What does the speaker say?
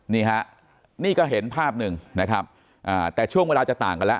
นี่ฮะนี่ก็เห็นภาพหนึ่งนะครับแต่ช่วงเวลาจะต่างกันแล้ว